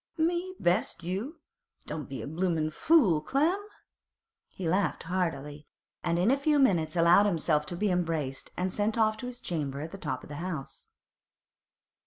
'Me best you? Don't be a bloomin' fool, Clem!' He laughed heartily, and in a few minutes allowed himself to be embraced and sent off to his chamber at the top of the house.